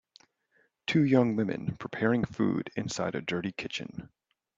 Two young women preparing food inside a dirty kitchen.